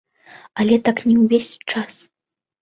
Але так не ўвесь час.